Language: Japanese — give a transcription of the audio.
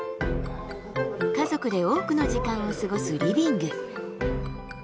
家族で多くの時間を過ごすリビング。